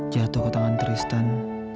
jatuh ke tangan tristan